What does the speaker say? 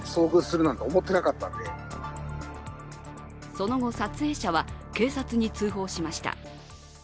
その後、撮影者は警察に通報しました。